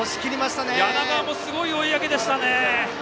柳川もすごい追い上げでした。